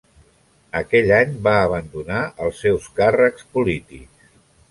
Aquell any va abandonar els seus càrrecs polítics.